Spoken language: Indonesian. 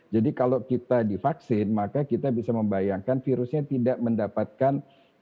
jadi kalau kita divaksin maka kita bisa membayangkan virusnya tidak mendapatkan